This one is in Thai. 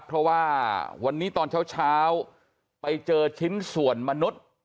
เพราะว่าวันนี้ตอนเช้าไปเจอชิ้นส่วนมนุษย์